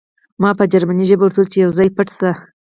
ما په جرمني ژبه ورته وویل چې یو ځای پټ شئ